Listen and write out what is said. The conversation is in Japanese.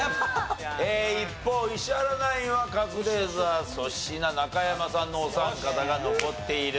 一方石原ナインはカズレーザー粗品中山さんのお三方が残っている。